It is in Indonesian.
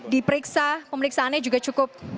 diperiksa pemeriksaannya juga cukup